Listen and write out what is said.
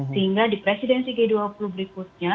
sehingga di presidensi g dua puluh berikutnya